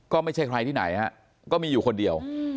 ก็ไม่ใช่ใครที่ไหนฮะก็มีอยู่คนเดียว